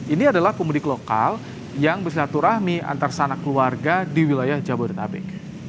ini adalah pemilik lokal yang bersilaturahmi antarsana keluarga di wilayah jabodetabek